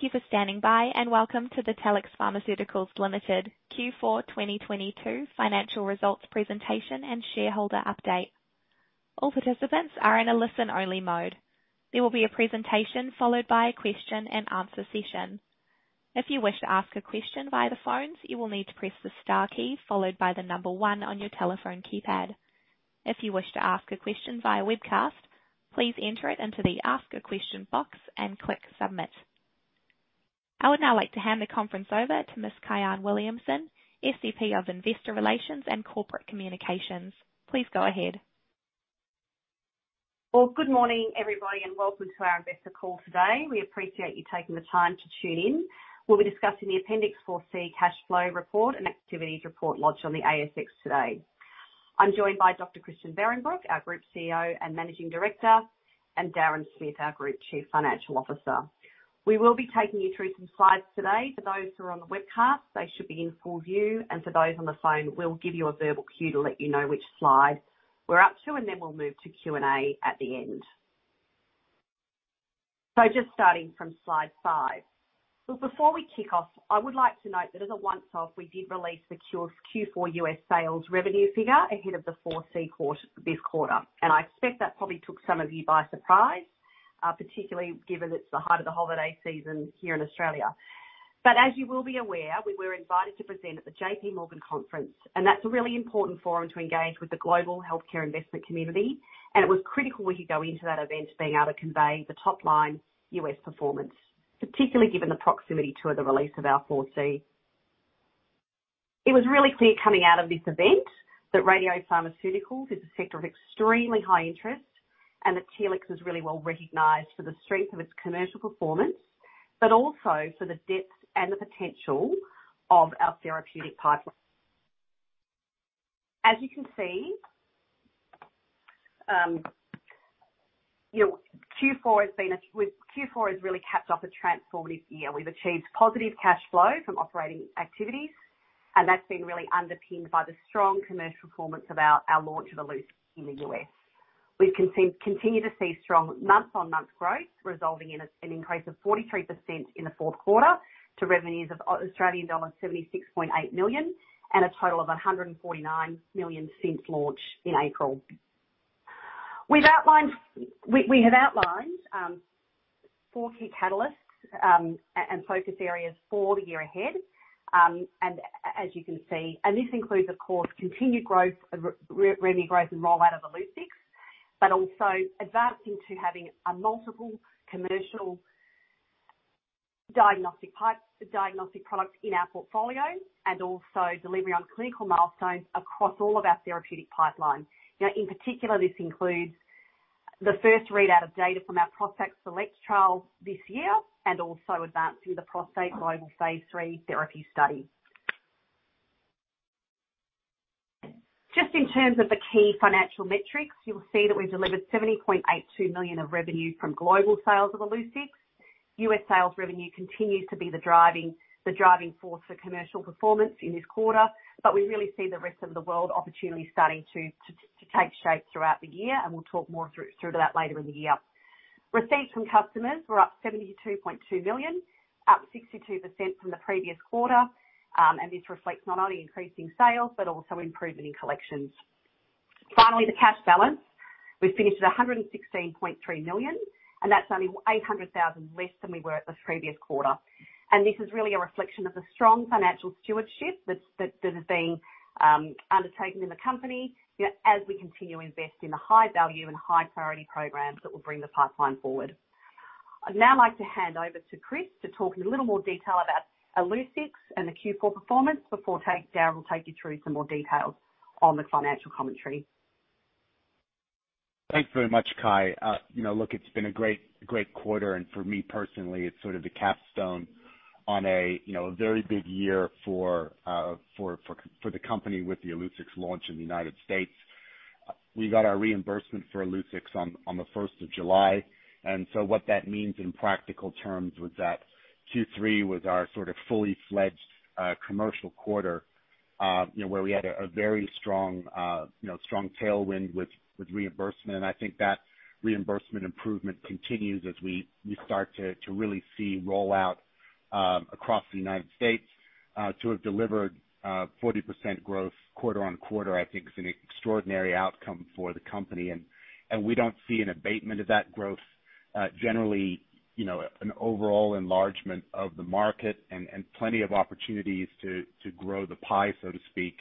Thank you for standing by and welcome to the Telix Pharmaceuticals Limited Q4 2022 Financial Results Presentation and Shareholder Update. All participants are in a listen-only mode. There will be a presentation followed by a question-and-answer session. If you wish to ask a question via the phones, you will need to press the star key followed by the one on your telephone keypad. If you wish to ask a question via webcast, please enter it into the ask a question box and click Submit. I would now like to hand the conference over to Ms. Kyahn Williamson, SVP of Investor Relations and Corporate Communications. Please go ahead. Well, good morning, everybody, and welcome to our investor call today. We appreciate you taking the time to tune in. We'll be discussing the Appendix 4C cash flow report and activities report lodged on the ASX today. I'm joined by Dr. Christian Behrenbruch, our Group CEO and Managing Director, and Darren Smith, our Group Chief Financial Officer. We will be taking you through some slides today. For those who are on the webcast, they should be in full view. For those on the phone, we'll give you a verbal cue to let you know which slide we're up to, then we'll move to Q&A at the end. Just starting from slide five. Before we kick off, I would like to note that as a once-off, we did release the Q4 U.S. sales revenue figure ahead of the 4C this quarter. I expect that probably took some of you by surprise, particularly given it's the height of the holiday season here in Australia. As you will be aware, we were invited to present at the JP Morgan conference, and that's a really important forum to engage with the global healthcare investment community. It was critical we could go into that event being able to convey the top-line U.S. performance, particularly given the proximity to the release of our 4C. It was really clear coming out of this event that radiopharmaceuticals is a sector of extremely high interest and that Telix is really well-recognized for the strength of its commercial performance, but also for the depth and the potential of our therapeutic pipeline. You know, Q4 has really capped off a transformative year. We've achieved positive cash flow from operating activities, that's been really underpinned by the strong commercial performance of our launch of Illuccix in the U.S. We've continue to see strong month-on-month growth, resulting in an increase of 43% in the fourth quarter to revenues of Australian dollars 76.8 million and a total of 149 million since launch in April. We have outlined four key catalysts and focus areas for the year ahead. As you can see. This includes, of course, continued revenue growth and rollout of Illuccix, but also advancing to having a multiple commercial diagnostic products in our portfolio and also delivery on clinical milestones across all of our therapeutic pipeline. You know, in particular, this includes the first readout of data from our ProstACT SELECT trial this year and also advancing the ProstACT GLOBAL Phase III therapy study. Just in terms of the key financial metrics, you'll see that we delivered 70.82 million of revenue from global sales of Illuccix. U.S. sales revenue continues to be the driving force for commercial performance in this quarter, we really see the rest of the world opportunities starting to take shape throughout the year, and we'll talk more through that later in the year. Receipts from customers were up 72.2 million, up 62% from the previous quarter, this reflects not only increasing sales but also improvement in collections. Finally, the cash balance. We finished at 116.3 million, and that's only 800,000 less than we were at the previous quarter. This is really a reflection of the strong financial stewardship that is being undertaken in the company, you know, as we continue to invest in the high-value and high-priority programs that will bring the pipeline forward. I'd now like to hand over to Chris to talk in a little more detail about Illuccix and the Q4 performance before Darren will take you through some more details on the financial commentary. Thanks very much, Kai. You know, look, it's been a great quarter, for me personally, it's sort of the capstone on a, you know, very big year for the company with the Illuccix launch in the United States. We got our reimbursement for Illuccix on the 1st of July. What that means in practical terms was that Q3 was our sort of fully fledged commercial quarter, you know, where we had a very strong, you know, strong tailwind with reimbursement. I think that reimbursement improvement continues as we start to really see rollout across the United States. To have delivered 40% growth quarter-on-quarter, I think is an extraordinary outcome for the company. We don't see an abatement of that growth. Generally, you know, an overall enlargement of the market and plenty of opportunities to grow the pie, so to speak,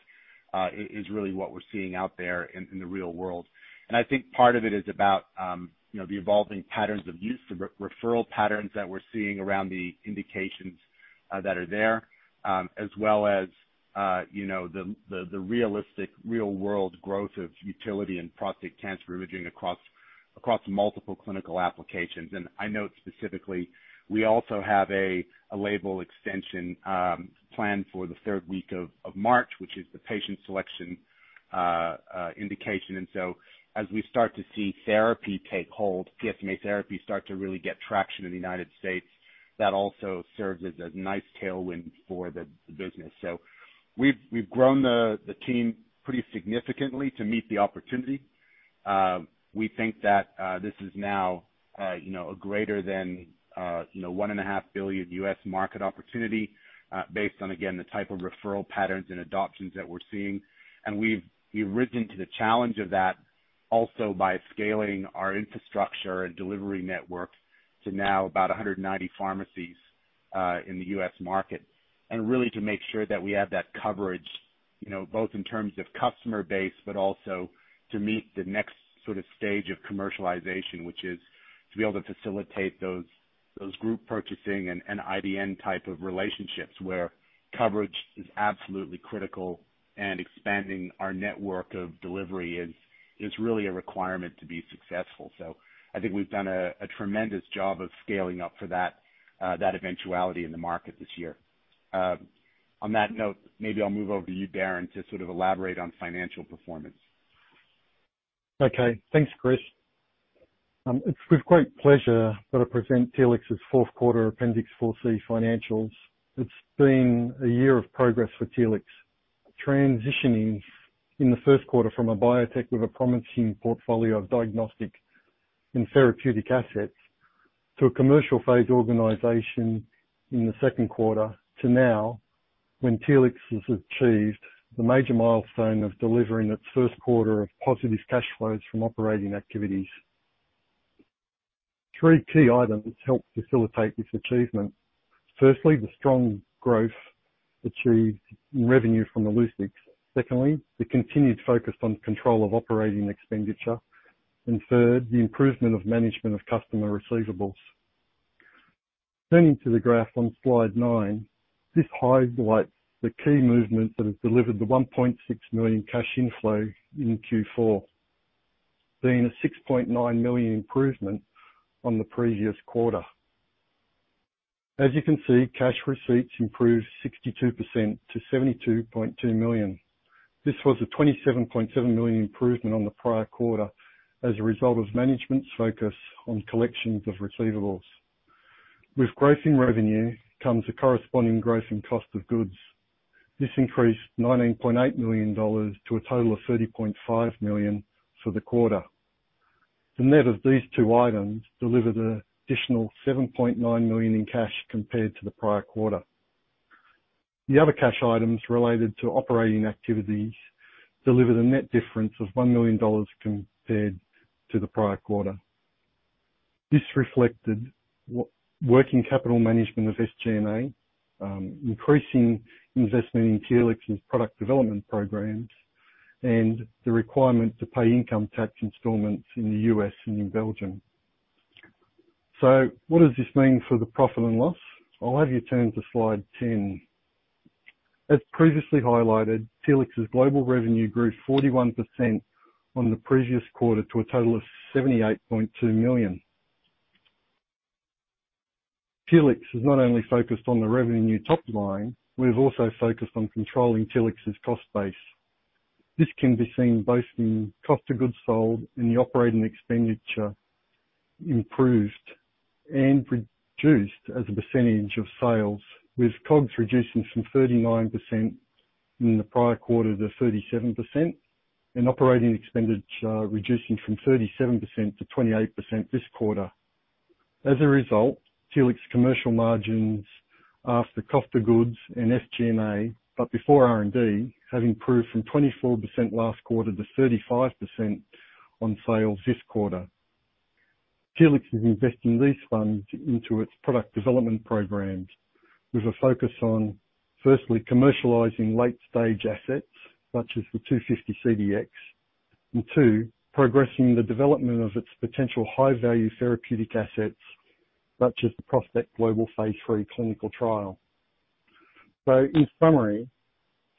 is really what we're seeing out there in the real world. I think part of it is about, you know, the evolving patterns of use, the re-referral patterns that we're seeing around the indications that are there, as well as, you know, the realistic real-world growth of utility in prostate cancer imaging across multiple clinical applications. I note specifically, we also have a label extension planned for the third week of March, which is the patient selection indication. As we start to see therapy take hold, PSMA therapy start to really get traction in the United States, that also serves as a nice tailwind for the business. We've grown the team pretty significantly to meet the opportunity. We think that this is now, you know, a greater than, you know, a $1.5 billion U.S. market opportunity, based on, again, the type of referral patterns and adoptions that we're seeing. We've risen to the challenge of that also by scaling our infrastructure and delivery network to now about 190 pharmacies in the U.S. market. Really to make sure that we have that coverage, you know, both in terms of customer base, but also to meet the next sort of stage of commercialization, which is to be able to facilitate those group purchasing and IDN type of relationships where coverage is absolutely critical and expanding our network of delivery is really a requirement to be successful. I think we've done a tremendous job of scaling up for that eventuality in the market this year. On that note, maybe I'll move over to you, Darren, to sort of elaborate on financial performance. Okay. Thanks, Chris. It's with great pleasure that I present Telix's fourth quarter Appendix 4C financials. It's been a year of progress for Telix, transitioning in the first quarter from a biotech with a promising portfolio of diagnostic and therapeutic assets, to a commercial phase organization in the second quarter, to now, when Telix has achieved the major milestone of delivering its first quarter of positive cash flows from operating activities. Three key items helped facilitate this achievement. Firstly, the strong growth achieved in revenue from Illuccix. Secondly, the continued focus on control of operating expenditure. Third, the improvement of management of customer receivables. Turning to the graph on Slide nine, this highlights the key movements that have delivered the 1.6 million cash inflow in Q4, being a 6.9 million improvement on the previous quarter. As you can see, cash receipts improved 62% to 72.2 million. This was a 27.7 million improvement on the prior quarter as a result of management's focus on collections of receivables. With growth in revenue comes a corresponding growth in cost of goods. This increased 19.8 million dollars to a total of 30.5 million for the quarter. The net of these two items delivered an additional 7.9 million in cash compared to the prior quarter. The other cash items related to operating activities delivered a net difference of 1 million dollars compared to the prior quarter. This reflected working capital management of SG&A, increasing investment in Telix's product development programs, and the requirement to pay income tax installments in the U.S. and in Belgium. What does this mean for the profit and loss? I'll have you turn to slide 10. As previously highlighted, Telix's global revenue grew 41% on the previous quarter to a total of 78.2 million. Telix is not only focused on the revenue top line, we've also focused on controlling Telix's cost base. This can be seen both in cost of goods sold and the operating expenditure improved and reduced as a percentage of sales, with COGS reducing from 39% in the prior quarter to 37%, and operating expenditure reducing from 37% to 28% this quarter. As a result, Telix commercial margins after cost of goods and SG&A, but before R&D, have improved from 24% last quarter to 35% on sales this quarter. Telix is investing these funds into its product development programs with a focus on, firstly, commercializing late-stage assets such as the TLX250-CDx, and two, progressing the development of its potential high-value therapeutic assets, such as the ProstACT GLOBAL Phase III clinical trial. In summary,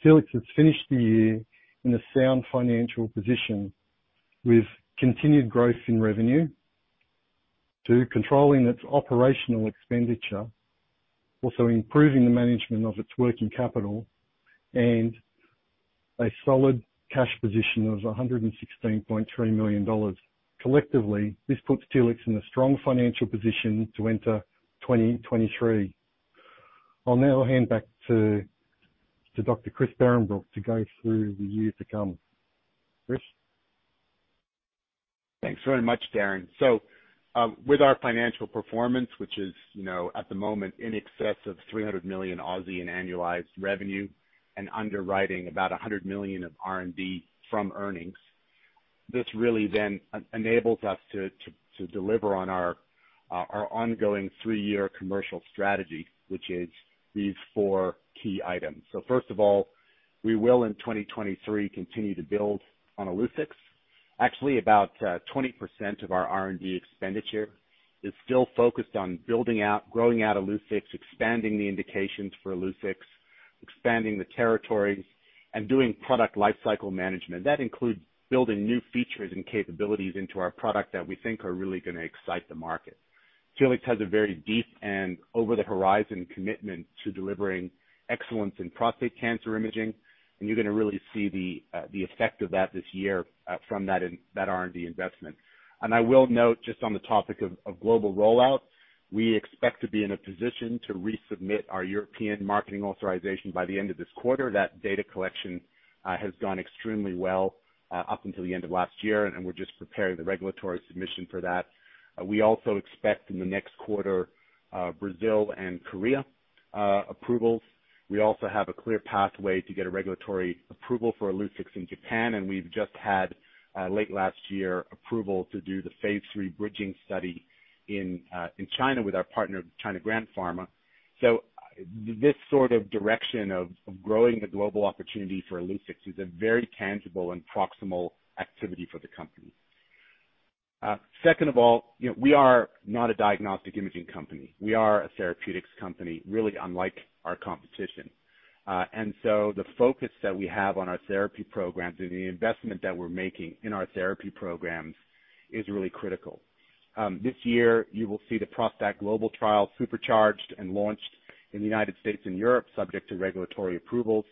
Telix has finished the year in a sound financial position with continued growth in revenue to controlling its operational expenditure, also improving the management of its working capital, and a solid cash position of $116.3 million. Collectively, this puts Telix in a strong financial position to enter 2023. I'll now hand back to Dr. Chris Behrenbruch to go through the year to come. Chris? Thanks very much, Darren. With our financial performance, which is, you know, at the moment in excess of 300 million in annualized revenue and underwriting about 100 million of R&D from earnings, this really then enables us to deliver on our ongoing three-year commercial strategy, which is these four key items. First of all, we will, in 2023, continue to build on Illuccix. Actually, about 20% of our R&D expenditure is still focused on building out, growing out Illuccix, expanding the indications for Illuccix, expanding the territories, and doing product lifecycle management. That includes building new features and capabilities into our product that we think are really gonna excite the market. Telix has a very deep and over-the-horizon commitment to delivering excellence in prostate cancer imaging, you're gonna really see the effect of that this year from that R&D investment. I will note, just on the topic of global rollout, we expect to be in a position to resubmit our European marketing authorization by the end of this quarter. That data collection has gone extremely well up until the end of last year, and we're just preparing the regulatory submission for that. We also expect in the next quarter, Brazil and Korea approvals. We also have a clear pathway to get a regulatory approval for Illuccix in Japan, and we've just had late last year, approval to do the phase III bridging study in China with our partner, China Grand Pharma. This sort of direction of growing the global opportunity for Illuccix is a very tangible and proximal activity for the company. Second of all, you know, we are not a diagnostic imaging company. We are a therapeutics company, really unlike our competition. The focus that we have on our therapy programs and the investment that we're making in our therapy programs is really critical. This year, you will see the ProstACT GLOBAL trial supercharged and launched in the United States and Europe, subject to regulatory approvals.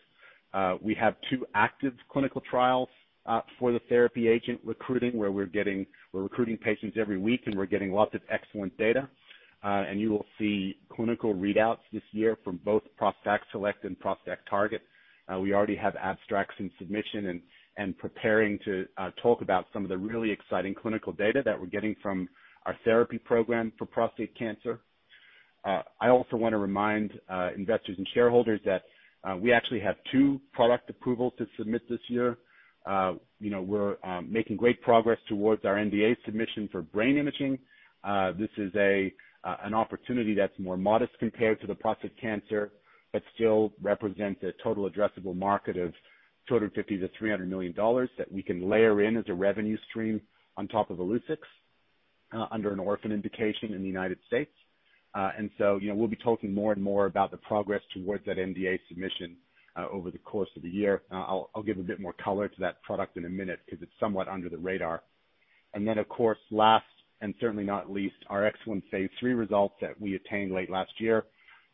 We have two active clinical trials for the therapy agent recruiting. We're recruiting patients every week, and we're getting lots of excellent data. You will see clinical readouts this year from both ProstACT SELECT and ProstACT TARGET. We already have abstracts and submission and preparing to talk about some of the really exciting clinical data that we're getting from our therapy program for prostate cancer. I also wanna remind investors and shareholders that we actually have two product approvals to submit this year. You know, we're making great progress towards our NDA submission for brain imaging. This is an opportunity that's more modest compared to the prostate cancer, but still represents a total addressable market of $250 million-$300 million that we can layer in as a revenue stream on top of Illuccix under an orphan indication in the United States. You know, we'll be talking more and more about the progress towards that NDA submission over the course of the year. I'll give a bit more color to that product in a minute 'cause it's somewhat under the radar. Of course, last and certainly not least, our excellent phase III results that we attained late last year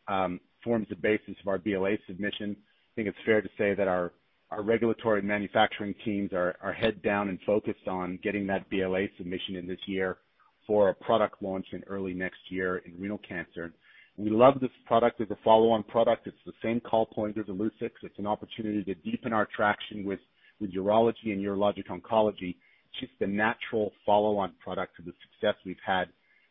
forms the basis of our BLA submission. I think it's fair to say that our regulatory manufacturing teams are head down and focused on getting that BLA submission in this year for a product launch in early next year in renal cancer. We love this product. It's a follow-on product. It's the same call point as Illuccix. It's an opportunity to deepen our traction with urology and urologic oncology. It's just a natural follow-on product to the success we've had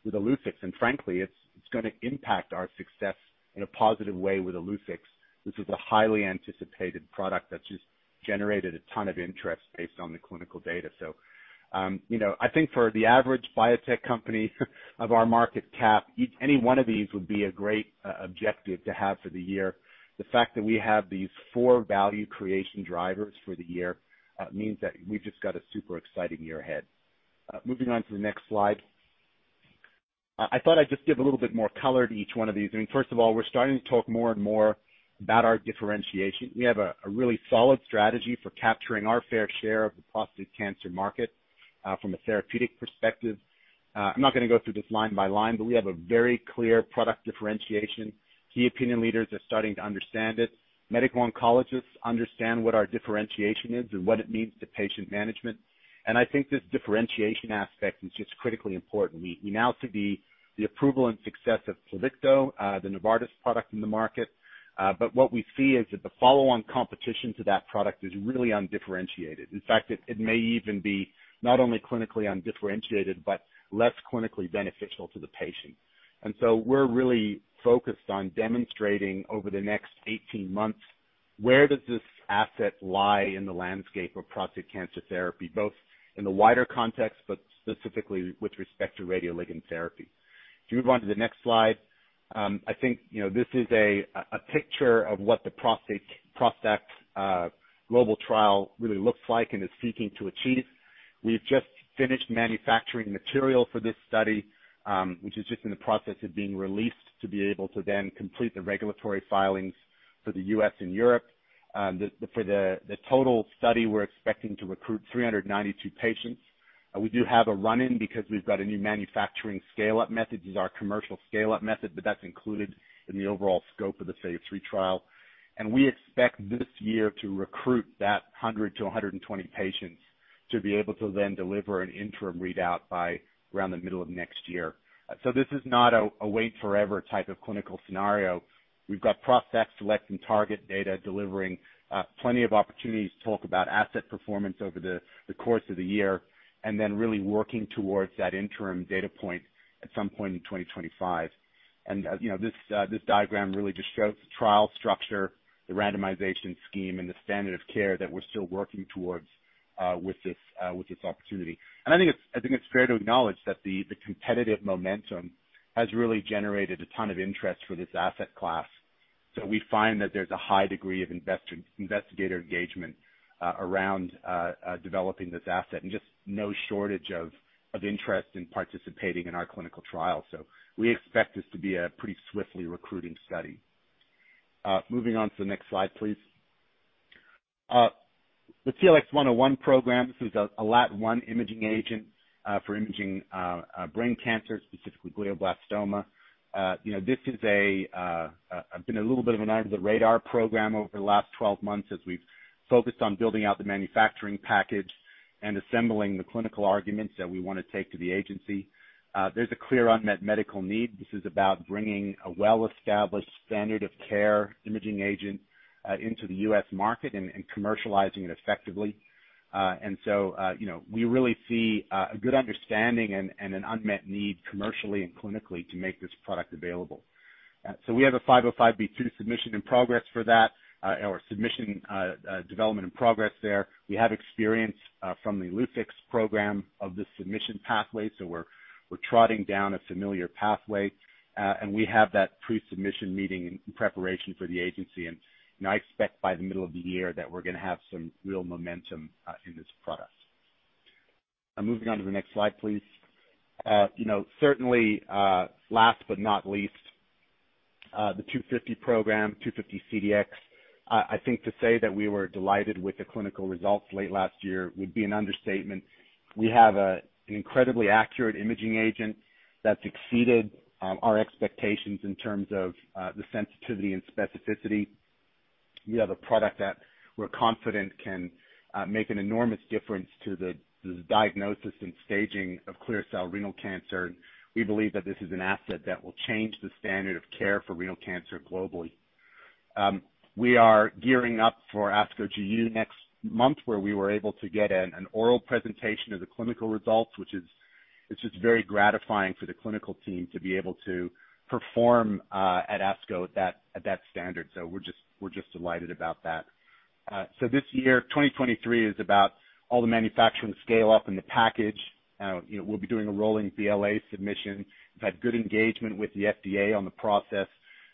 with Illuccix. Frankly, it's gonna impact our success in a positive way with Illuccix. This is a highly anticipated product that's just generated a ton of interest based on the clinical data. You know, I think for the average biotech company of our market cap, any one of these would be a great objective to have for the year. The fact that we have these four value creation drivers for the year, means that we've just got a super exciting year ahead. Moving on to the next slide. I thought I'd just give a little bit more color to each one of these. I mean, first of all, we're starting to talk more and more about our differentiation. We have a really solid strategy for capturing our fair share of the prostate cancer market, from a therapeutic perspective. I'm not gonna go through this line by line, but we have a very clear product differentiation. Key opinion leaders are starting to understand it. Medical oncologists understand what our differentiation is and what it means to patient management. I think this differentiation aspect is just critically important. We announce it the approval and success of Pluvicto, the Novartis product in the market. What we see is that the follow-on competition to that product is really undifferentiated. In fact, it may even be not only clinically undifferentiated, but less clinically beneficial to the patient. So we're really focused on demonstrating over the next 18 months, where does this asset lie in the landscape of prostate cancer therapy, both in the wider context, but specifically with respect to radioligand therapy. If you move on to the next slide, I think, you know, this is a picture of what the prostate ProstACT GLOBAL trial really looks like and is seeking to achieve. We've just finished manufacturing material for this study, which is just in the process of being released to be able to then complete the regulatory filings for the U.S. and Europe. For the total study, we're expecting to recruit 392 patients. We do have a run-in because we've got a new manufacturing scale-up method. This is our commercial scale-up method, but that's included in the overall scope of the Phase III trial. We expect this year to recruit that 100-120 patients to be able to then deliver an interim readout by around the middle of next year. This is not a wait forever type of clinical scenario. We've got ProstACT SELECT and Target data delivering plenty of opportunities to talk about asset performance over the course of the year, and then really working towards that interim data point at some point in 2025. You know, this diagram really just shows the trial structure, the randomization scheme, and the standard of care that we're still working towards with this opportunity. I think it's fair to acknowledge that the competitive momentum has really generated a ton of interest for this asset class. We find that there's a high degree of investigator engagement around developing this asset and just no shortage of interest in participating in our clinical trial. We expect this to be a pretty swiftly recruiting study. Moving on to the next slide, please. The TLX101 program, this is a LAT-1 imaging agent for imaging brain cancer, specifically glioblastoma. You know, this is a been a little bit of an under-the-radar program over the last 12 months as we've focused on building out the manufacturing package and assembling the clinical arguments that we want to take to the agency. There's a clear unmet medical need. This is about bringing a well-established standard of care imaging agent into the U.S. market and commercializing it effectively. You know, we really see a good understanding and an unmet need commercially and clinically to make this product available. We have a 505(b)(2) submission in progress for that, or submission, development in progress there. We have experience from the Illuccix program of the submission pathway, so we're trotting down a familiar pathway. We have that pre-submission meeting in preparation for the agency. I expect by the middle of the year that we're gonna have some real momentum in this product. Moving on to the next slide, please. You know, certainly, last but not least, the TLX250 program, TLX250-CDx. I think to say that we were delighted with the clinical results late last year would be an understatement. We have an incredibly accurate imaging agent that's exceeded our expectations in terms of the sensitivity and specificity. We have a product that we're confident can make an enormous difference to the diagnosis and staging of clear cell renal cancer. We believe that this is an asset that will change the standard of care for renal cancer globally. We are gearing up for ASCO GU next month, where we were able to get an oral presentation of the clinical results, which is, it's just very gratifying for the clinical team to be able to perform at ASCO at that standard. We're just delighted about that. This year, 2023 is about all the manufacturing scale up and the package. You know, we'll be doing a rolling BLA submission. We've had good engagement with the FDA on the process.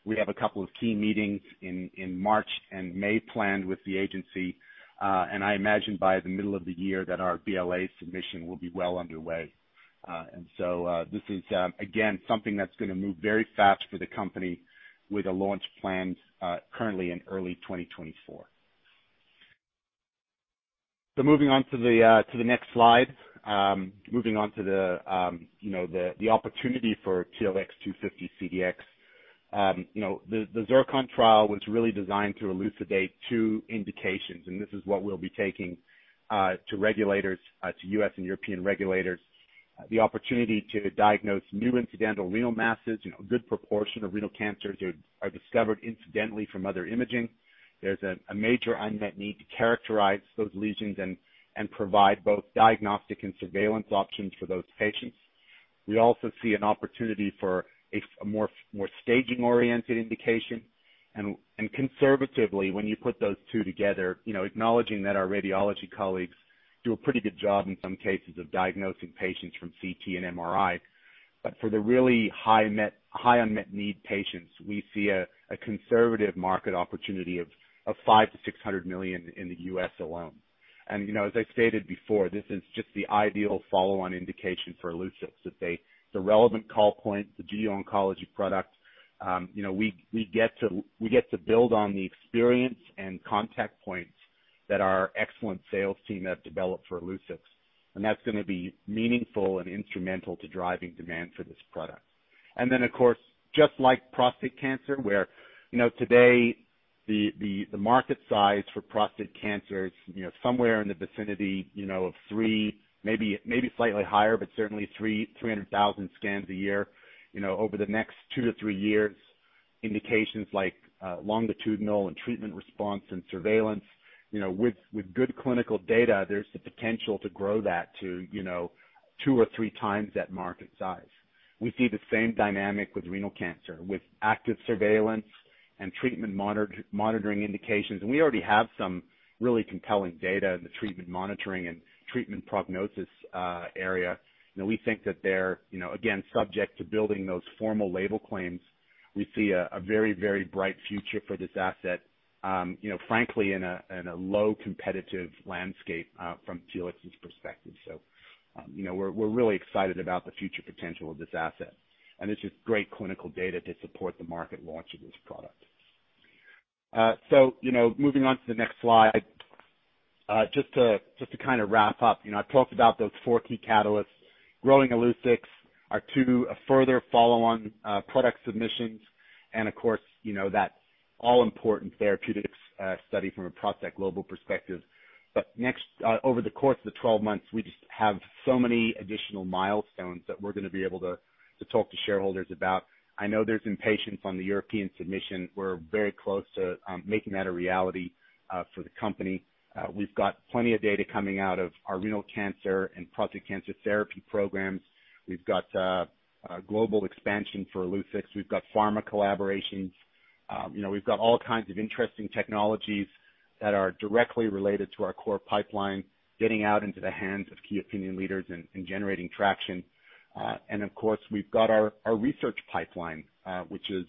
We have a couple of key meetings in March and May planned with the agency. I imagine by the middle of the year that our BLA submission will be well underway. This is again, something that's gonna move very fast for the company with a launch planned currently in early 2024. Moving on to the next slide. Moving on to the, you know, the opportunity for TLX250-CDx. You know, the ZIRCON trial was really designed to elucidate two indications, and this is what we'll be taking to regulators, to U.S. and European regulators. The opportunity to diagnose new incidental renal masses. You know, a good proportion of renal cancers are discovered incidentally from other imaging. There's a major unmet need to characterize those lesions and provide both diagnostic and surveillance options for those patients. We also see an opportunity for a more staging-oriented indication. conservatively, when you put those two together, you know, acknowledging that our radiology colleagues do a pretty good job in some cases of diagnosing patients from CT and MRI. for the really high unmet need patients, we see a conservative market opportunity of $500 million-$600 million in the US alone. you know, as I stated before, this is just the ideal follow-on indication for Illuccix. It's a relevant call point, the GU oncology product. You know, we get to, we get to build on the experience and contact points that our excellent sales team have developed for Illuccix, that's gonna be meaningful and instrumental to driving demand for this product. Of course, just like prostate cancer, where, you know, today the market size for prostate cancer is, you know, somewhere in the vicinity, you know, of three, maybe slightly higher, but certainly 300,000 scans a year. Over the next 2-3 years, indications like longitudinal and treatment response and surveillance, you know, with good clinical data, there's the potential to grow that to, you know, two or three times that market size. We see the same dynamic with renal cancer, with active surveillance and treatment monitoring indications. We already have some really compelling data in the treatment monitoring and treatment prognosis area. You know, we think that they're, you know, again, subject to building those formal label claims. We see a very, very bright future for this asset, you know, frankly, in a low competitive landscape from Telix's perspective. You know, we're really excited about the future potential of this asset, and it's just great clinical data to support the market launch of this product. You know, moving on to the next slide. Just to kind of wrap up. You know, I've talked about those four key catalysts. Growing Illuccix, our two further follow-on product submissions, and of course, you know, that all-important therapeutics study from a ProstACT GLOBAL perspective. Next, over the course of the 12 months, we just have so many additional milestones that we're gonna be able to talk to shareholders about. I know there's impatience on the European submission. We're very close to making that a reality for the company. We've got plenty of data coming out of our renal cancer and prostate cancer therapy programs. We've got a global expansion for Illuccix. We've got pharma collaborations. You know, we've got all kinds of interesting technologies that are directly related to our core pipeline getting out into the hands of key opinion leaders and generating traction. Of course, we've got our research pipeline, which is.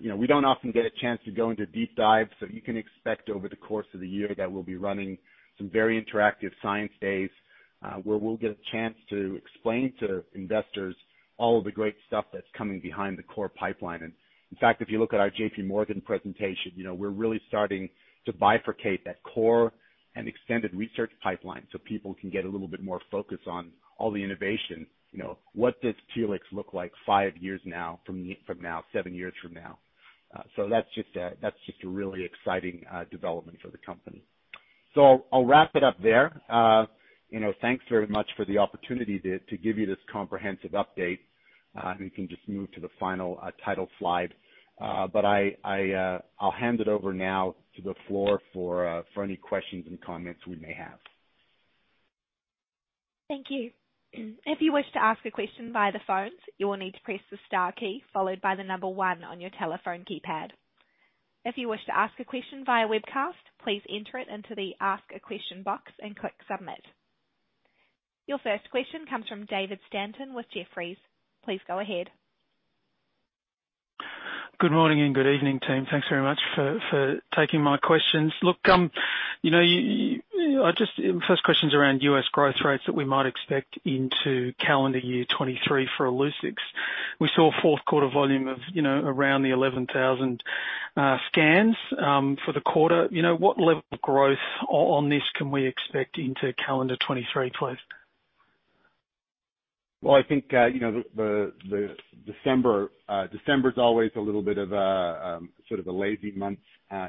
You know, we don't often get a chance to go into deep dive, so you can expect over the course of the year that we'll be running some very interactive science days, where we'll get a chance to explain to investors all of the great stuff that's coming behind the core pipeline. In fact, if you look at our JP Morgan presentation, you know, we're really starting to bifurcate that core and extended research pipeline so people can get a little bit more focus on all the innovation. You know, what does Telix look like five years from now, seven years from now? That's just a really exciting development for the company. I'll wrap it up there. You know, thanks very much for the opportunity to give you this comprehensive update. We can just move to the final title slide. I'll hand it over now to the floor for any questions and comments we may have. Thank you. If you wish to ask a question by the phones, you will need to press the star key followed by the number 1 on your telephone keypad. If you wish to ask a question via webcast, please enter it into the Ask a Question box and click Submit. Your first question comes from David Stanton with Jefferies. Please go ahead. Good morning and good evening, team. Thanks very much for taking my questions. First question's around U.S. growth rates that we might expect into calendar year 23 for Illuccix. We saw a 4th quarter volume of, you know, around the 11,000 scans for the quarter. What level of growth on this can we expect into calendar 23, please? Well, I think, you know, the December's always a little bit of a, sort of a lazy month,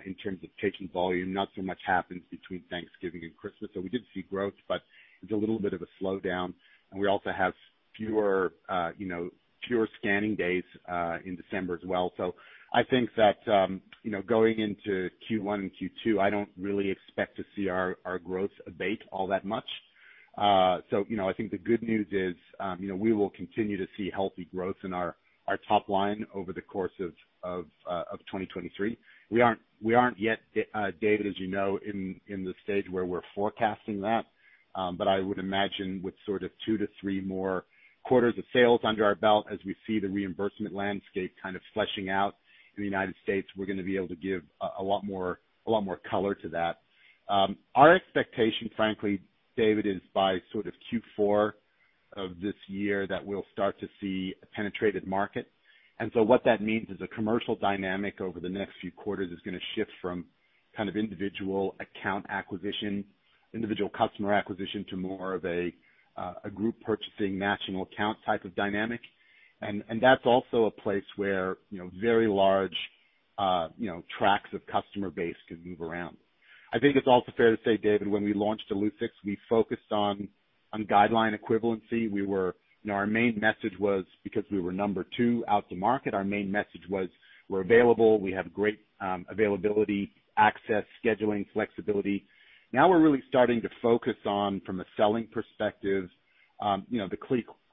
in terms of taking volume. Not so much happens between Thanksgiving and Christmas. We did see growth, but there's a little bit of a slowdown, and we also have fewer, you know, fewer scanning days, in December as well. I think that, you know, going into Q1 and Q2, I don't really expect to see our growth abate all that much. You know, I think the good news is, you know, we will continue to see healthy growth in our top line over the course of 2023. We aren't yet, David, as you know, in the stage where we're forecasting that, but I would imagine with sort of two to three more quarters of sales under our belt, as we see the reimbursement landscape kind of fleshing out in the United States, we're gonna be able to give a lot more color to that. Our expectation, frankly, David, is by sort of Q4 of this year that we'll start to see a penetrated market. What that means is the commercial dynamic over the next few quarters is gonna shift from kind of individual account acquisition, individual customer acquisition to more of a group purchasing national account type of dynamic. That's also a place where, you know, very large, you know, tracks of customer base could move around. I think it's also fair to say, David, when we launched Illuccix, we focused on guideline equivalency. You know, our main message was because we were number two out the market, our main message was, we're available, we have great availability, access, scheduling, flexibility. Now we're really starting to focus on, from a selling perspective, you know, the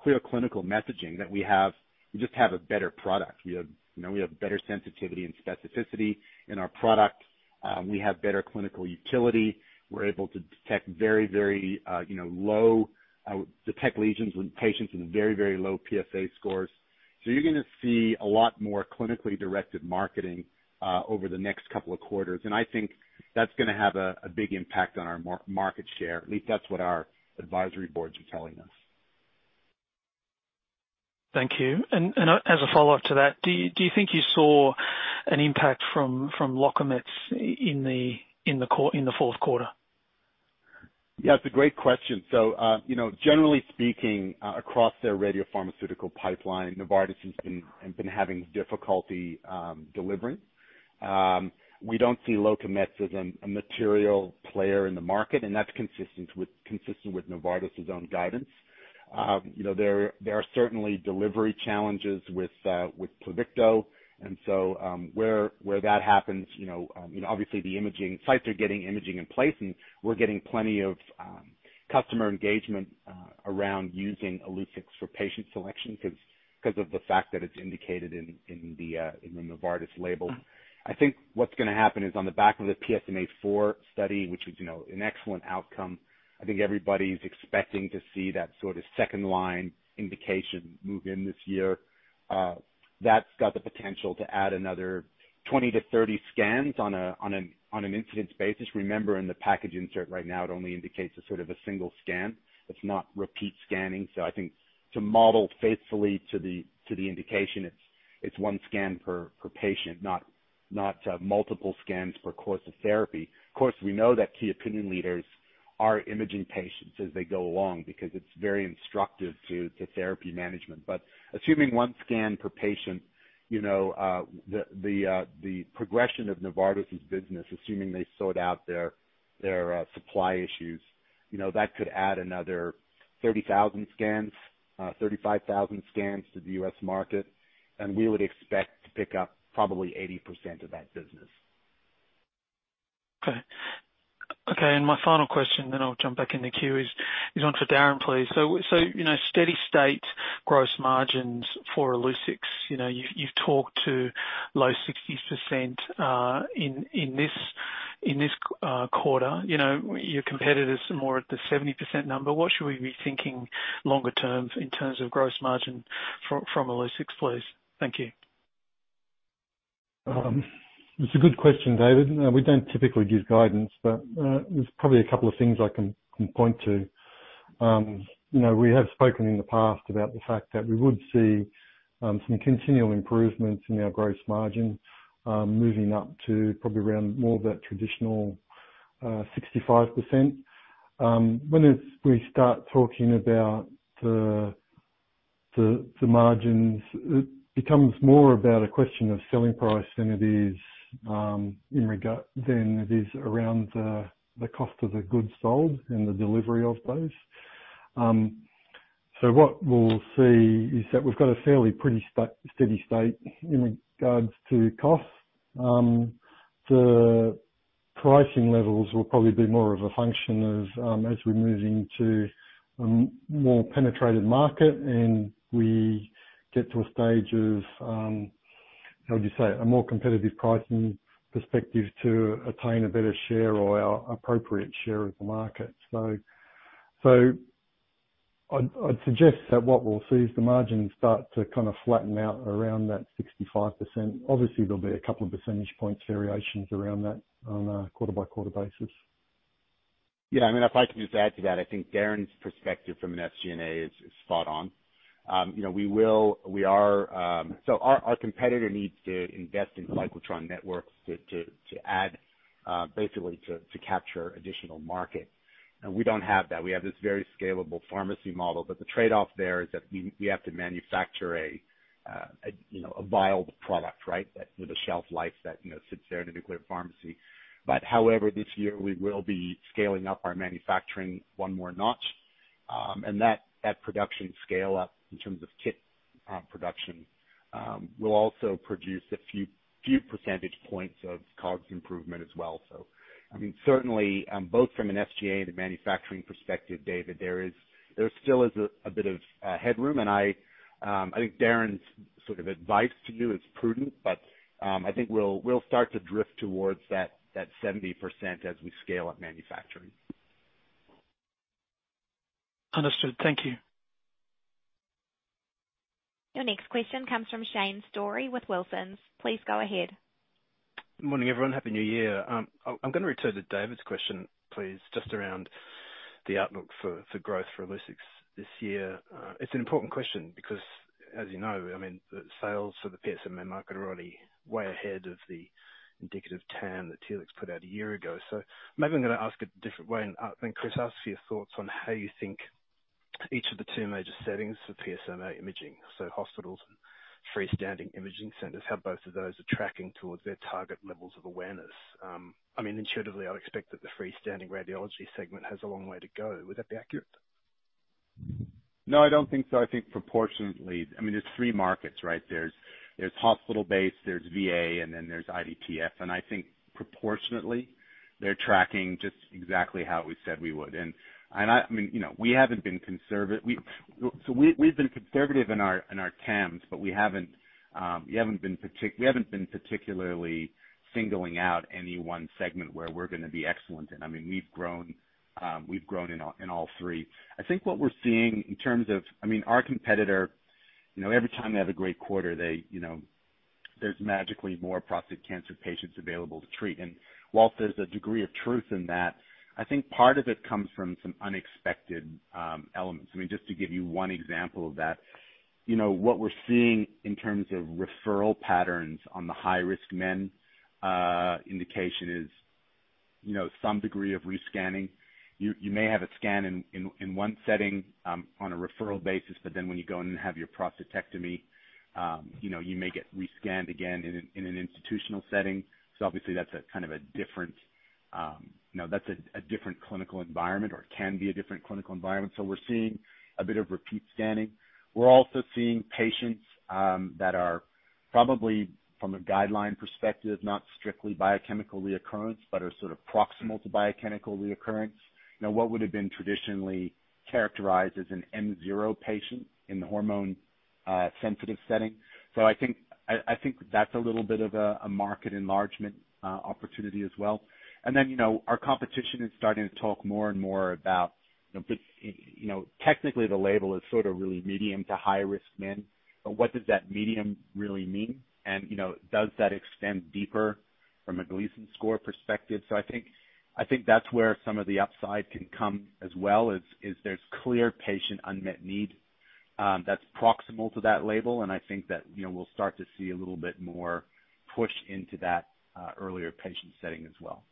clear clinical messaging that we have. We just have a better product. We have, you know, better sensitivity and specificity in our product. We have better clinical utility. We're able to detect very, very, you know, lesions with patients in very, very low PSA scores. You're gonna see a lot more clinically-directed marketing over the next couple of quarters. I think that's gonna have a big impact on our market share. At least that's what our advisory boards are telling us. Thank you. As a follow-up to that, do you think you saw an impact from Locametz in the fourth quarter? Yeah, it's a great question. You know, generally speaking, across their radiopharmaceutical pipeline, Novartis have been having difficulty delivering. We don't see Locametz as a material player in the market, and that's consistent with Novartis' own guidance. You know, there are certainly delivery challenges with Pluvicto. Where that happens, you know, you know, obviously the Sites are getting imaging in place, and we're getting plenty of customer engagement around using Illuccix for patient selection 'cause of the fact that it's indicated in the Novartis label. I think what's gonna happen is on the back of the PSMAfore study, which was, you know, an excellent outcome, I think everybody's expecting to see that sort of second line indication move in this year. That's got the potential to add another 20-30 scans on an incidence basis. Remember, in the package insert right now, it only indicates a sort of a single scan. It's not repeat scanning. I think to model faithfully to the indication, it's one scan per patient, not multiple scans per course of therapy. Of course, we know that key opinion leaders are imaging patients as they go along because it's very instructive to therapy management. Assuming one scan per patient, you know, the progression of Novartis' business, assuming they sort out their supply issues, you know, that could add another 30,000 scans, 35,000 scans to the U.S. market, and we would expect to pick up probably 80% of that business. Okay. My final question then I'll jump back in the queue is one for Darren, please. You know, steady-state gross margins for Illuccix, you've talked to low 60% in this quarter. You know, your competitors are more at the 70% number. What should we be thinking longer term in terms of gross margin from Illuccix, please? Thank you. It's a good question, David. We don't typically give guidance, but there's probably a couple of things I can point to. You know, we have spoken in the past about the fact that we would see some continual improvements in our gross margin, moving up to probably around more of that traditional 65%. When we start talking about the margins, it becomes more about a question of selling price than it is around the cost of the goods sold and the delivery of those. What we'll see is that we've got a fairly pretty steady state in regards to costs. The pricing levels will probably be more of a function as we move into a more penetrated market, and we get to a stage of how would you say, a more competitive pricing perspective to attain a better share or appropriate share of the market. I'd suggest that what we'll see is the margins start to kind of flatten out around that 65%. Obviously, there'll be a couple of percentage points variations around that on a quarter-by-quarter basis. Yeah, I mean, if I can just add to that, I think Darren's perspective from an SG&A is spot on. You know, we are. Our competitor needs to invest in cyclotron networks to add, basically to capture additional market. We don't have that. We have this very scalable pharmacy model, but the trade-off there is that we have to manufacture a, you know, a vialed product, right, that with a shelf life that, you know, sits there in a nuclear pharmacy. However, this year we will be scaling up our manufacturing one more notch, and that production scale up in terms of kit production will also produce a few percentage points of COGS improvement as well. I mean, certainly, both from an SG&A and a manufacturing perspective, David, there still is a bit of headroom. I think Darren's sort of advice to you is prudent, but I think we'll start to drift towards that 70% as we scale up manufacturing. Understood. Thank you. Your next question comes from Shane Storey with Wilsons. Please go ahead. Morning, everyone. Happy New Year. I'm gonna return to David's question, please, just around the outlook for growth for Illuccix this year. It's an important question because as you know, I mean, the sales for the PSMA market are already way ahead of the indicative TAM that Telix put out one year ago. Maybe I'm gonna ask a different way and Chris, ask for your thoughts on how you think each of the two major settings for PSMA imaging, so hospitals and freestanding imaging centers, how both of those are tracking towards their target levels of awareness. I mean, intuitively, I would expect that the freestanding radiology segment has a long way to go. Would that be accurate? No, I don't think so. I think proportionately... I mean, there's three markets, right? There's hospital-based, there's VA, and then there's IDTF. I think proportionately, they're tracking just exactly how we said we would. I mean, you know, we haven't been conservative. We've been conservative in our, in our TAMs, but we haven't, we haven't been particularly singling out any one segment where we're gonna be excellent. I mean, we've grown in all three. I think what we're seeing in terms of. I mean, our competitor, you know, every time they have a great quarter, they, you know, there's magically more prostate cancer patients available to treat. Whilst there's a degree of truth in that, I think part of it comes from some unexpected elements. I mean, just to give you one example of that, you know, what we're seeing in terms of referral patterns on the high-risk men indication is, you know, some degree of re-scanning. You may have a scan in one setting on a referral basis, but then when you go in and have your prostatectomy, you know, you may get re-scanned again in an institutional setting. Obviously, that's a kind of a different, you know, that's a different clinical environment or can be a different clinical environment. We're seeing a bit of repeat scanning. We're also seeing patients that are probably from a guideline perspective, not strictly biochemical recurrence, but are sort of proximal to biochemical recurrence. You know, what would have been traditionally characterized as an M0 patient in the hormone sensitive setting. I think that's a little bit of a market enlargement opportunity as well. You know, our competition is starting to talk more and more about, you know, but, you know, technically the label is sort of really medium to high-risk men. What does that medium really mean? You know, does that extend deeper from a Gleason score perspective? I think that's where some of the upside can come as well, is there's clear patient unmet need that's proximal to that label, and I think that, you know, we'll start to see a little bit more push into that earlier patient setting as well.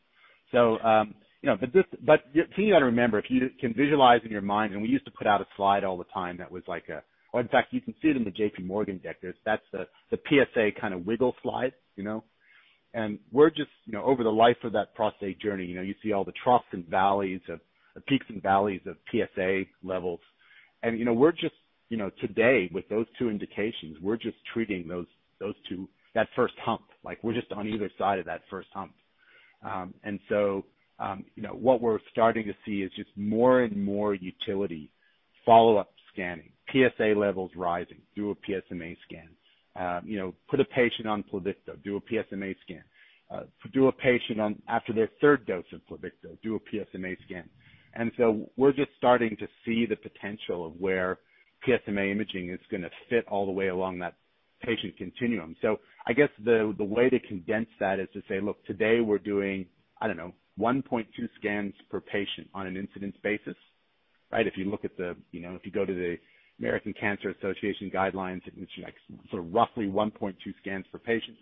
You know, the thing you got to remember, if you can visualize in your mind, and we used to put out a slide all the time that was like a. Or in fact, you can see it in the JP Morgan deck. There's, that's the PSA kind of wiggle slide, you know. We're just, you know, over the life of that prostate journey, you know, you see all the troughs and valleys of peaks and valleys of PSA levels. You know, we're just, you know, today with those two indications, we're just treating those two, that first hump. Like, we're just on either side of that first hump. You know, what we're starting to see is just more and more utility follow-up scanning, PSA levels rising, do a PSMA scan. you know, put a patient on Pluvicto, do a PSMA scan. do a patient on, after their third dose of Pluvicto, do a PSMA scan. we're just starting to see the potential of where PSMA imaging is gonna fit all the way along that patient continuum. I guess the way to condense that is to say, look, today we're doing, I don't know, 1.2 scans per patient on an incidence basis, right? If you look at the, you know, if you go to the American Cancer Society guidelines, it means like sort of roughly 1.2 scans per patient.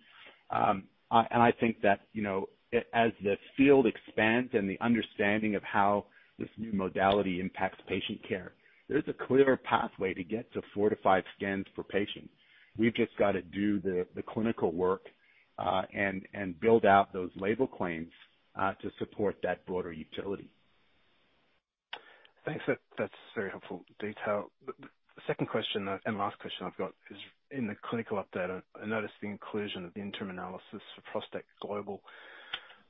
I think that, you know, as the field expands and the understanding of how this new modality impacts patient care, there's a clear pathway to get to 4-5 scans per patient. We've just got to do the clinical work, and build out those label claims, to support that broader utility. Thanks. That's very helpful detail. The second question and last question I've got is in the clinical update, I noticed the inclusion of the interim analysis for ProstACT GLOBAL.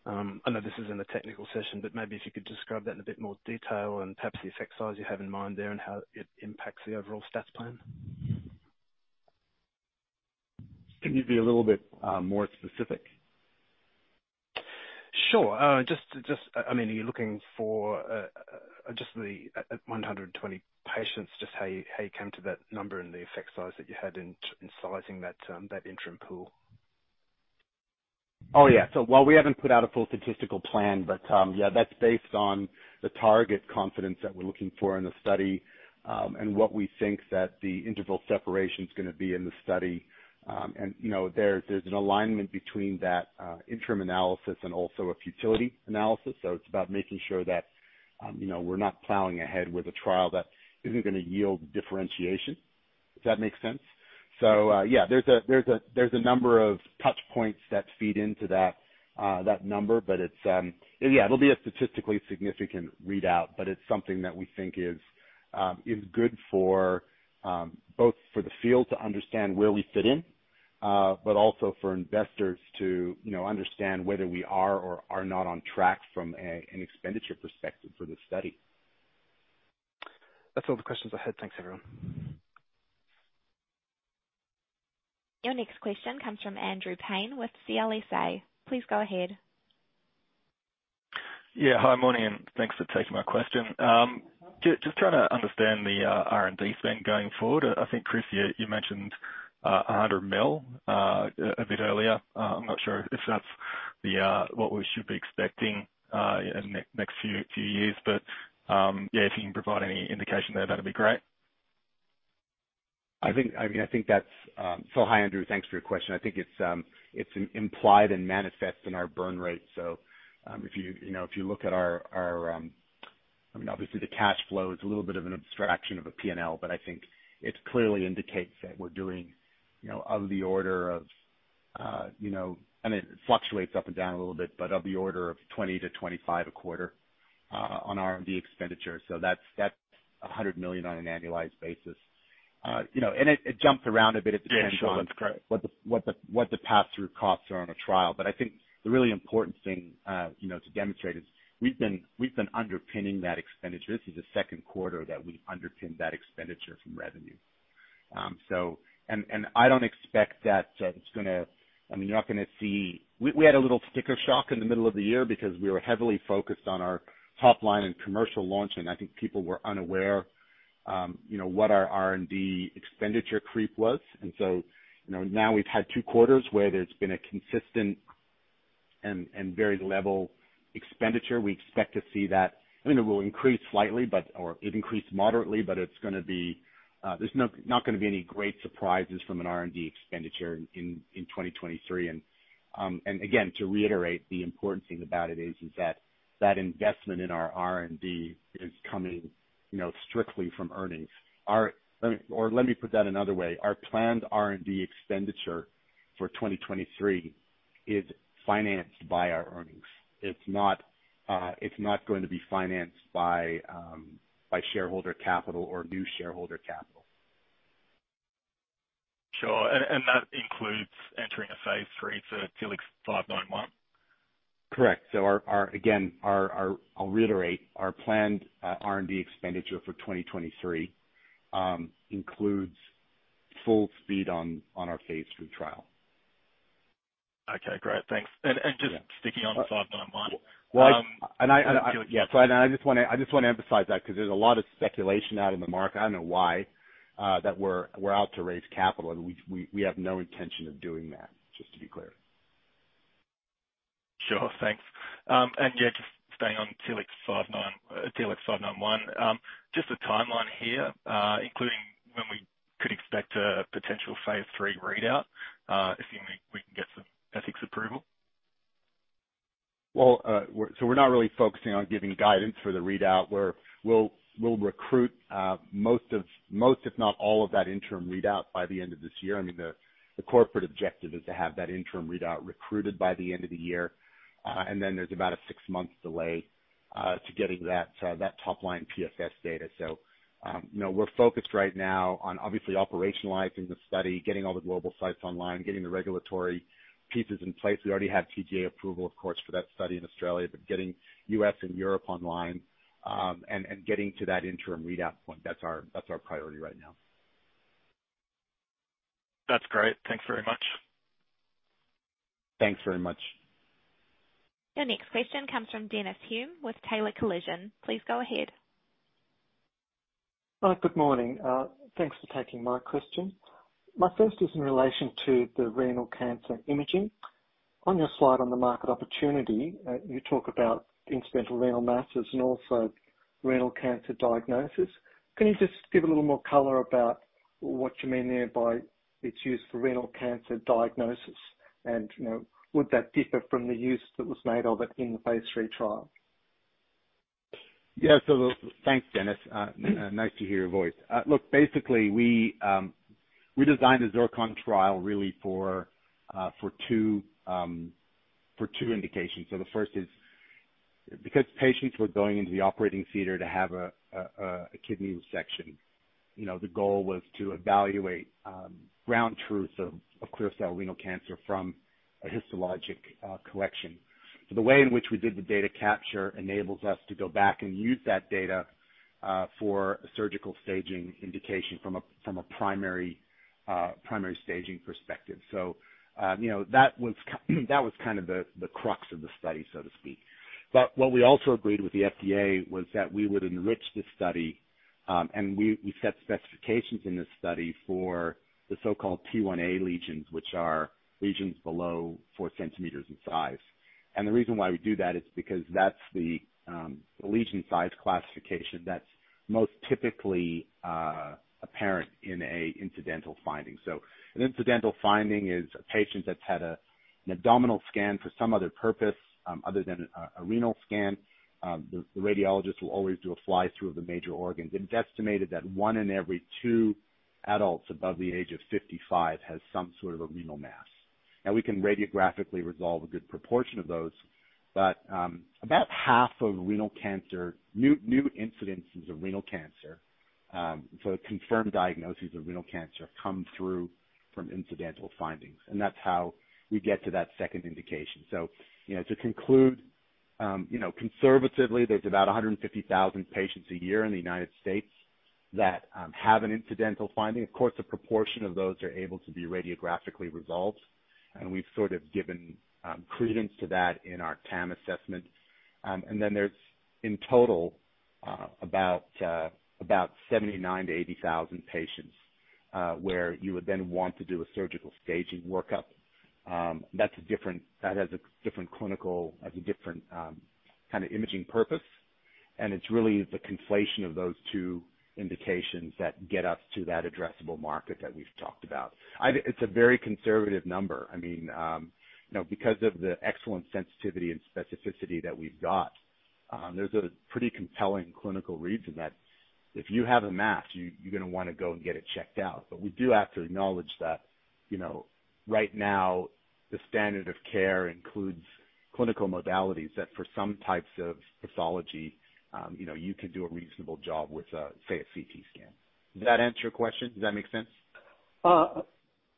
I know this isn't a technical session, but maybe if you could describe that in a bit more detail and perhaps the effect size you have in mind there and how it impacts the overall stats plan. Can you be a little bit more specific? Sure. just I mean, are you looking for just the 120 patients, just how you came to that number and the effect size that you had in sizing that interim pool? Yeah. While we haven't put out a full statistical plan, but, yeah, that's based on the target confidence that we're looking for in the study, and what we think that the interval separation is gonna be in the study. You know, there's an alignment between that interim analysis and also a futility analysis. It's about making sure that, you know, we're not plowing ahead with a trial that isn't gonna yield differentiation, if that makes sense. Yeah, there's a number of touch points that feed into that number, but it'll be a statistically significant readout, but it's something that we think is good for both for the field to understand where we fit in, but also for investors to, you know, understand whether we are or are not on track from an expenditure perspective for this study. That's all the questions I had. Thanks, everyone. Your next question comes from Andrew Paine with CLSA. Please go ahead. Hi, morning, and thanks for taking my question. Just trying to understand the R&D spend going forward. I think, Chris, you mentioned 100 million a bit earlier. I'm not sure if that's what we should be expecting in the next few years. If you can provide any indication there, that'd be great. Hi, Andrew. Thanks for your question. I think it's implied and manifests in our burn rate. If you know, if you look at our, I mean, obviously the cash flow is a little bit of an abstraction of a P&L, but I think it clearly indicates that we're doing, you know, of the order of, you know, I mean, it fluctuates up and down a little bit, but of the order of 20 million-25 million a quarter on R&D expenditure. That's 100 million on an annualized basis. You know, and it jumps around a bit. Yeah, sure. That's great. ...what the pass-through costs are on a trial. I think the really important thing, you know, to demonstrate is we've been underpinning that expenditure. This is the second quarter that we've underpinned that expenditure from revenue. And I don't expect that it's gonna. I mean, you're not gonna see. We had a little sticker shock in the middle of the year because we were heavily focused on our top line and commercial launch, and I think people were unaware, you know, what our R&D expenditure creep was. You know, now we've had two quarters where there's been a consistent and very level expenditure. We expect to see that. I mean, it will increase slightly, but. It increased moderately, but it's gonna be, there's not gonna be any great surprises from an R&D expenditure in 2023. Again, to reiterate, the important thing about it is that investment in our R&D is coming, you know, strictly from earnings. Let me put that another way. Our planned R&D expenditure for 2023 is financed by our earnings. It's not, it's not going to be financed by shareholder capital or new shareholder capital. Sure. That includes entering a phase III for TLX591? Correct. Our again, our I'll reiterate, our planned R&D expenditure for 2023 includes full speed on our phase 3 trial. Okay, great. Thanks. Yeah. Just sticking on to TLX591. Well, Yeah. I just wanna emphasize that because there's a lot of speculation out in the market. I don't know why, that we're out to raise capital, and we have no intention of doing that, just to be clear. Sure. Thanks. Just staying on TLX591, just the timeline here, including when we could expect a potential phase III readout, assuming we can get some ethics approval. Well, we're not really focusing on giving guidance for the readout. We'll recruit most, if not all of that interim readout by the end of this year. I mean, the corporate objective is to have that interim readout recruited by the end of the year. Then there's about a six month delay to getting that top line PFS data. You know, we're focused right now on obviously operationalizing the study, getting all the global sites online, getting the regulatory pieces in place. We already have TGA approval, of course, for that study in Australia, but getting U.S. and Europe online, and getting to that interim readout point, that's our priority right now. That's great. Thanks very much. Thanks very much. Your next question comes from Dennis Hulme with Taylor Collison. Please go ahead. Good morning. Thanks for taking my question. My first is in relation to the renal cancer imaging. On your slide on the market opportunity, you talk about incidental renal masses and also renal cancer diagnosis. Can you just give a little more color about what you mean there by its use for renal cancer diagnosis? You know, would that differ from the use that was made of it in the phase III trial? Yeah. Thanks, Dennis. Nice to hear your voice. Look, basically we designed the ZIRCON trial really for two for two indications. The first is because patients were going into the operating theater to have a kidney resection, you know, the goal was to evaluate ground truth of clear cell renal cell carcinoma from a histologic collection. The way in which we did the data capture enables us to go back and use that data for surgical staging indication from a primary primary staging perspective. You know, that was kind of the crux of the study, so to speak. What we also agreed with the FDA was that we would enrich the study, and we set specifications in this study for the so-called T1a lesions, which are lesions below 4 cm in size. The reason why we do that is because that's the lesion size classification that's most typically apparent in a incidental finding. An incidental finding is a patient that's had an abdominal scan for some other purpose, other than a renal scan. The radiologist will always do a fly-through of the major organs, it's estimated that one in every two adults above the age of 55 has some sort of a renal mass. We can radiographically resolve a good proportion of those, but about half of renal cancer, new incidences of renal cancer, confirmed diagnoses of renal cancer come through from incidental findings, and that's how we get to that second indication. You know, to conclude, you know, conservatively there's about 150,000 patients a year in the United States that have an incidental finding. Of course, a proportion of those are able to be radiographically resolved, and we've sort of given credence to that in our TAM assessment. And then there's in total about 79,000-80,000 patients where you would then want to do a surgical staging workup. That's a different. That has a different clinical, has a different kind of imaging purpose, and it's really the conflation of those two indications that get us to that addressable market that we've talked about. I think it's a very conservative number. I mean, you know, because of the excellent sensitivity and specificity that we've got, there's a pretty compelling clinical reason that if you have a mass, you're gonna wanna go and get it checked out. We do have to acknowledge that, you know, right now the standard of care includes clinical modalities that for some types of pathology, you know, you can do a reasonable job with, say a CT scan. Does that answer your question? Does that make sense?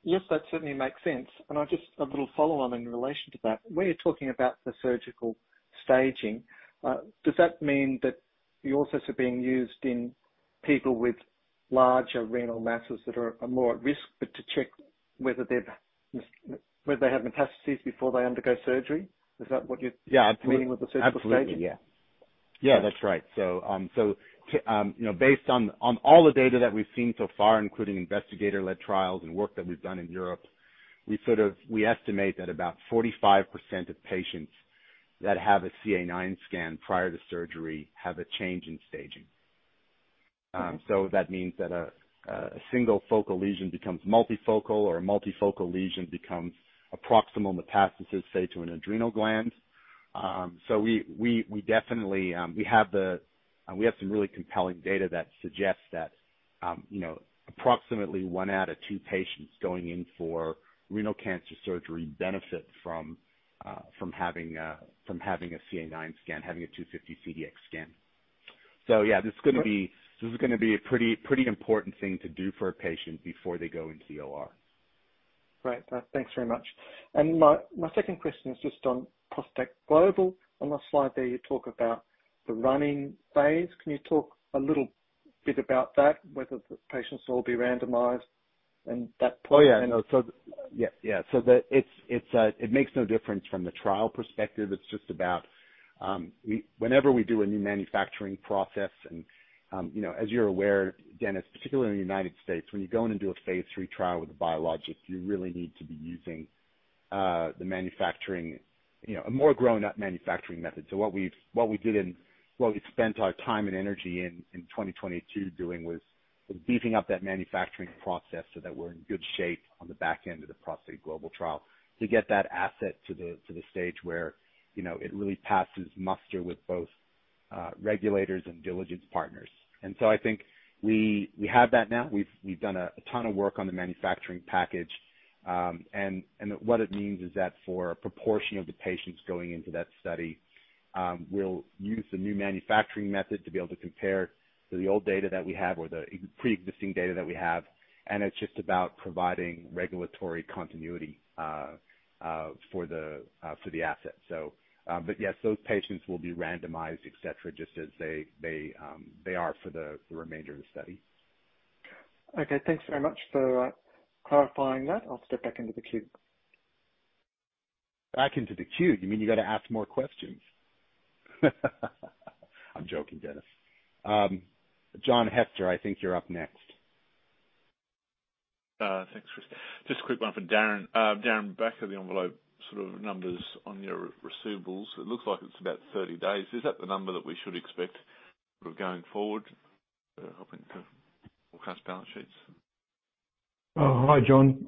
Yes, that certainly makes sense. A little follow-on in relation to that. When you're talking about the surgical staging, does that mean that you're also being used in people with larger renal masses that are more at risk, but to check whether they have metastases before they undergo surgery? Is that what you? Yeah. Meaning with the surgical staging? Absolutely, yeah. Yeah, that's right. To, you know, based on all the data that we've seen so far, including investigator-led trials and work that we've done in Europe, we estimate that about 45% of patients that have a CA9 scan prior to surgery have a change in staging. That means that a single focal lesion becomes multifocal or a multifocal lesion becomes a proximal metastasis, say to an adrenal gland. We definitely have some really compelling data that suggests that, you know, approximately one out of two patients going in for renal cancer surgery benefit from having a CA9 scan, having a 250 CDx scan. Yeah. Right. This is gonna be a pretty important thing to do for a patient before they go into OR. Great. thanks very much. My second question is just on ProstACT GLOBAL. On the slide there, you talk about the running phase. Can you talk a little bit about that, whether the patients will be randomized and that point? Oh, yeah. No, so yeah. Yeah. It makes no difference from the trial perspective. It's just about, whenever we do a new manufacturing process and, you know, as you're aware, Dennis, particularly in the United States, when you go in and do a phase III trial with a biologic, you really need to be using the manufacturing, you know, a more grown up manufacturing method. What we spent our time and energy in 2022 doing was sort of beefing up that manufacturing process so that we're in good shape on the back end of the ProstACT GLOBAL trial to get that asset to the stage where, you know, it really passes muster with both regulators and diligence partners. I think we have that now. We've done a ton of work on the manufacturing package. What it means is that for a proportion of the patients going into that study, we'll use the new manufacturing method to be able to compare to the old data that we have or the preexisting data that we have, and it's just about providing regulatory continuity for the asset. Yes, those patients will be randomized, et cetera, just as they are for the remainder of the study. Okay. Thanks very much for clarifying that. I'll step back into the queue. Back into the queue? You mean you gotta ask more questions? I'm joking, Dennis. John Hester, I think you're up next. Thanks, Chris. Just a quick one for Darren. Darren, back of the envelope sort of numbers on your receivables, it looks like it's about 30 days. Is that the number that we should expect sort of going forward, hoping to forecast balance sheets? Hi, John.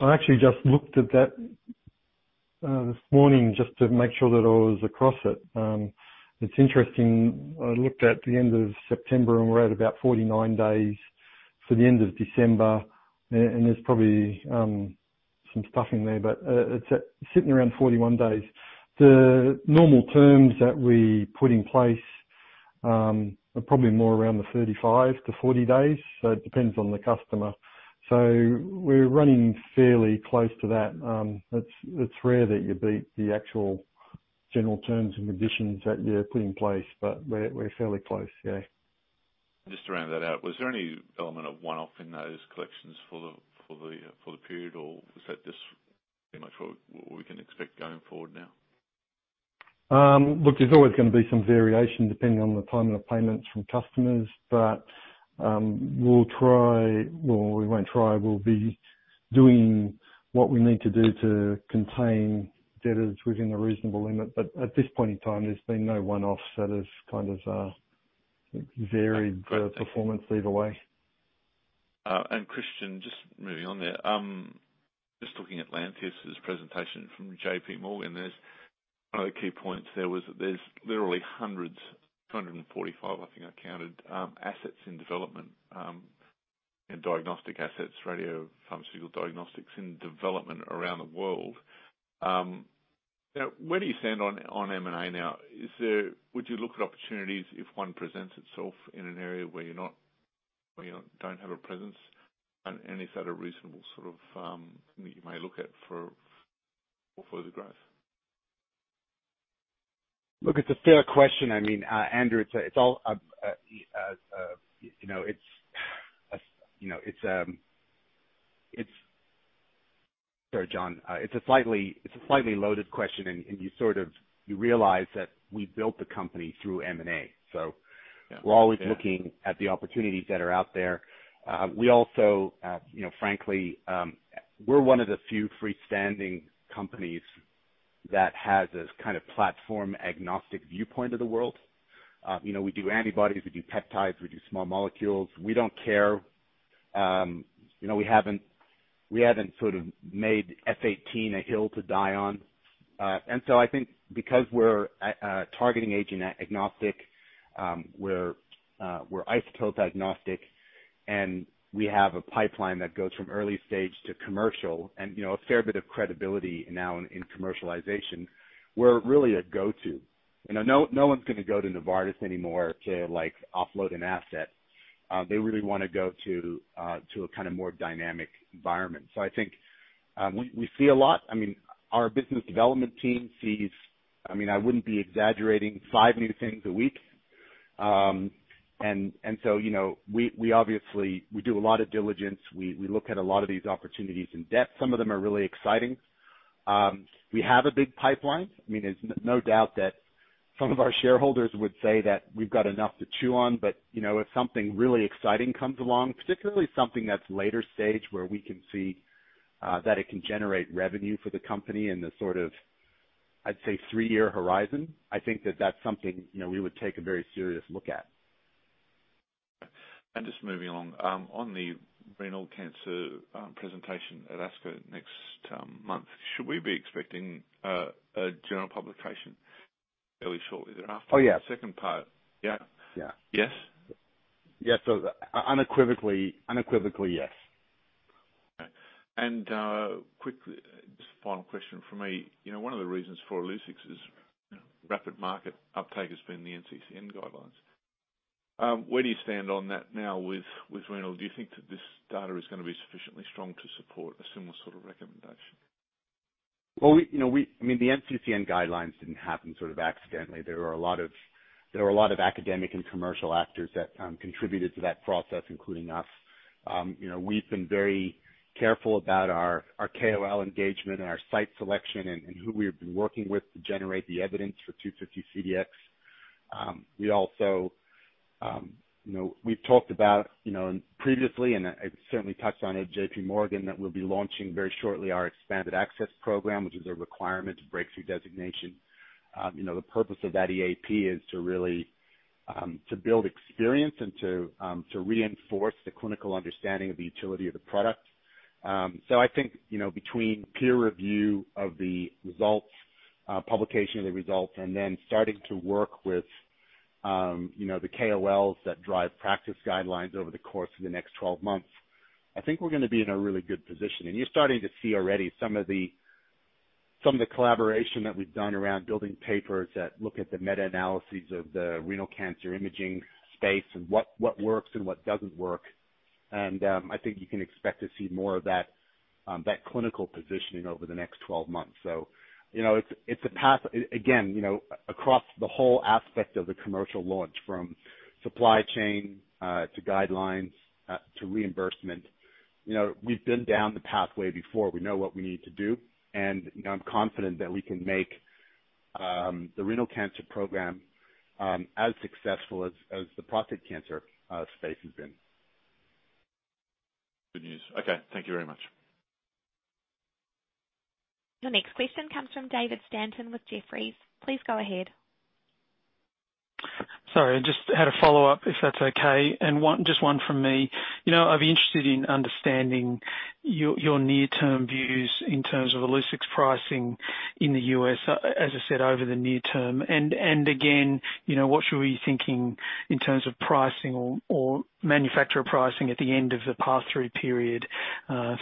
I actually just looked at that this morning just to make sure that I was across it. It's interesting. I looked at the end of September, we're at about 49 days for the end of December. And there's probably some stuffing there, but it's sitting around 41 days. The normal terms that we put in place are probably more around the 35-40 days, it depends on the customer. We're running fairly close to that. It's rare that you beat the actual general terms and conditions that you put in place, but we're fairly close. Yeah. Just to round that out, was there any element of one-off in those collections for the period, or was that just pretty much what we can expect going forward now? Look, there's always going to be some variation depending on the timing of payments from customers. Well, we won't try. We'll be doing what we need to do to contain debtors within a reasonable limit. At this point in time, there's been no one-offs that has kind of. Okay. the performance either way. Christian, just moving on there. Just looking at Lantheus' presentation from JPMorgan. One of the key points there was there's literally hundreds, 245 I think I counted, assets in development, and diagnostic assets, radiopharmaceutical diagnostics in development around the world. Now, where do you stand on M&A now? Would you look at opportunities if one presents itself in an area where you're not, where you don't have a presence, and is that a reasonable sort of thing you may look at for further growth? Look, it's a fair question. I mean, Andrew, it's all, you know, it's, you know. Sorry, John. It's a slightly loaded question, and you. You realize that we built the company through M&A. Yeah. We're always looking at the opportunities that are out there. We also, you know, frankly, we're one of the few freestanding companies that has this kind of platform-agnostic viewpoint of the world. You know, we do antibodies. We do peptides. We do small molecules. We don't care. You know, we haven't sort of made F-18 a hill to die on. I think because we're a targeting agent agnostic, we're isotope agnostic, and we have a pipeline that goes from early stage to commercial and, you know, a fair bit of credibility now in commercialization, we're really a go-to. You know, no one's gonna go to Novartis anymore to, like, offload an asset. They really wanna go to a kinda more dynamic environment. I think we see a lot. I mean, our business development team sees, I mean, I wouldn't be exaggerating, five new things a week. You know, we obviously, we do a lot of diligence. We look at a lot of these opportunities in depth. Some of them are really exciting. We have a big pipeline. I mean, there's no doubt that some of our shareholders would say that we've got enough to chew on. You know, if something really exciting comes along, particularly something that's later stage where we can see that it can generate revenue for the company in the sort of, I'd say three-year horizon, I think that that's something, you know, we would take a very serious look at. Just moving along. On the renal cancer presentation at ASCO next month, should we be expecting a journal publication fairly shortly thereafter? Oh, yeah. The second part. Yeah. Yeah. Yes? Yes. Unequivocally, unequivocally yes. Okay. Quickly, just final question from me. You know, one of the reasons for Illuccix is, you know, rapid market uptake has been the NCCN guidelines. Where do you stand on that now with renal? Do you think that this data is gonna be sufficiently strong to support a similar sort of recommendation? Well, we, you know, I mean, the NCCN guidelines didn't happen sort of accidentally. There were a lot of academic and commercial actors that contributed to that process, including us. You know, we've been very careful about our KOL engagement and our site selection and who we have been working with to generate the evidence for 250 CDx. We also, you know, we've talked about, you know, previously, and I certainly touched on it at JP Morgan, that we'll be launching very shortly our expanded access program, which is a requirement to breakthrough designation. You know, the purpose of that EAP is to really to build experience and to reinforce the clinical understanding of the utility of the product. I think, you know, between peer review of the results, publication of the results, and then starting to work with, you know, the KOLs that drive practice guidelines over the course of the next 12 months, I think we're gonna be in a really good position. You're starting to see already some of the, some of the collaboration that we've done around building papers that look at the meta-analyses of the renal cancer imaging space and what works and what doesn't work. I think you can expect to see more of that clinical positioning over the next 12 months. You know, it's a path again, you know, across the whole aspect of the commercial launch from supply chain, to guidelines, to reimbursement. You know, we've been down the pathway before. We know what we need to do, you know, I'm confident that we can make the renal cancer program as successful as the prostate cancer space has been. Good news. Okay. Thank you very much. Your next question comes from David Stanton with Jefferies. Please go ahead. Sorry, I just had a follow-up, if that's okay. Just one from me. You know, I'd be interested in understanding your near-term views in terms of Illuccix's pricing in the U.S., as I said, over the near term. Again, you know, what should we be thinking in terms of pricing or manufacturer pricing at the end of the pass-through period,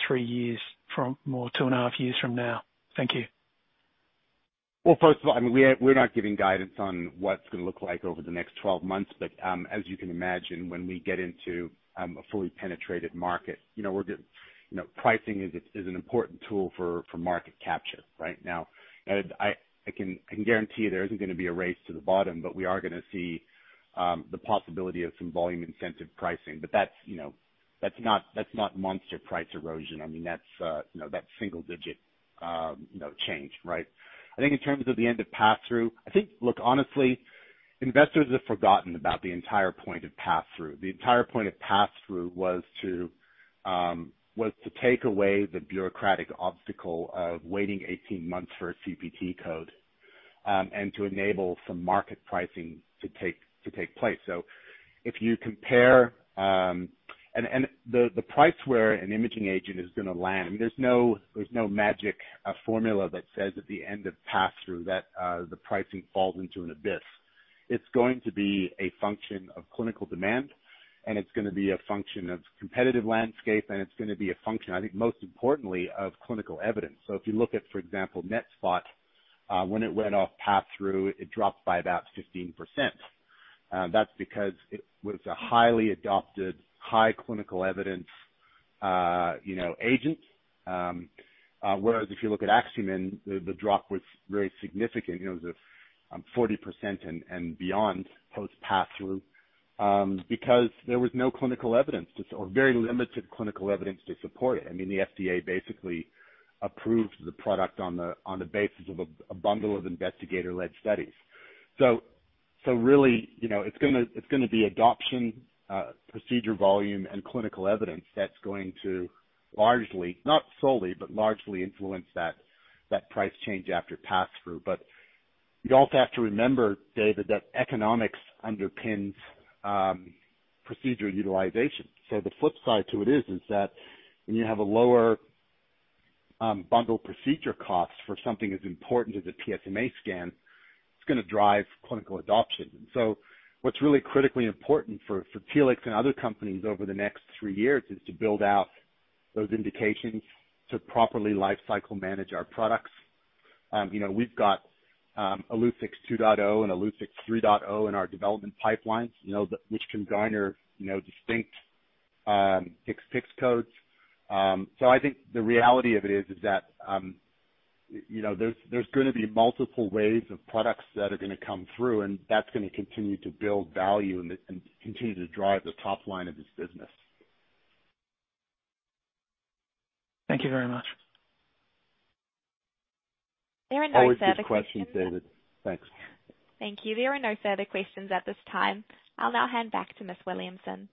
three years from or two and a half years from now? Thank you. Well, first of all, I mean, we're not giving guidance on what it's gonna look like over the next 12 months. As you can imagine, when we get into a fully penetrated market, you know, pricing is an important tool for market capture, right? I can guarantee you there isn't gonna be a race to the bottom, but we are gonna see the possibility of some volume incentive pricing. That's, you know, that's not monster price erosion. I mean, that's, you know, that's single digit, you know, change, right? I think in terms of the end of pass-through. Look, honestly, investors have forgotten about the entire point of pass-through. The entire point of pass-through was to take away the bureaucratic obstacle of waiting 18 months for a CPT code, and to enable some market pricing to take place. If you compare. And the price where an imaging agent is gonna land, I mean, there's no magic formula that says at the end of pass-through that the pricing falls into an abyss. It's going to be a function of clinical demand, and it's gonna be a function of competitive landscape, and it's gonna be a function, I think, most importantly, of clinical evidence. If you look at, for example, NETSPOT, when it went off pass-through, it dropped by about 15%. That's because it was a highly adopted, high clinical evidence, you know, agent. Whereas if you look at Axumin, the drop was very significant. It was a 40% and beyond post-pass-through because there was no clinical evidence or very limited clinical evidence to support it. I mean, the FDA basically approved the product on the basis of a bundle of investigator-led studies. Really, you know, it's gonna be adoption, procedure volume and clinical evidence that's going to largely, not solely, but largely influence that price change after pass-through. You also have to remember, David, that economics underpins procedure utilization. The flip side to it is that when you have a lower bundle procedure cost for something as important as a PSMA scan, it's gonna drive clinical adoption. What's really critically important for Telix and other companies over the next three years is to build out those indications to properly lifecycle manage our products. You know, we've got Illuccix 2.0 and Illuccix 3.0 in our development pipelines, you know, which can garner, you know, distinct 6 codes. I think the reality of it is that, you know, there's gonna be multiple waves of products that are gonna come through, and that's gonna continue to build value and continue to drive the top line of this business. Thank you very much. Always good questions, David. Thanks. Thank you. There are no further questions at this time. I'll now hand back to Miss Williamson.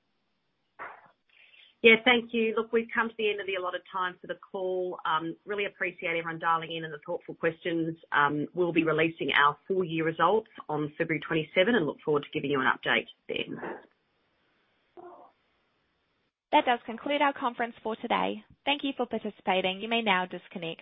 Yeah, thank you. Look, we've come to the end of the allotted time for the call. Really appreciate everyone dialing in and the thoughtful questions. We'll be releasing our full year results on February 27th and look forward to giving you an update then. That does conclude our conference for today. Thank you for participating. You may now disconnect.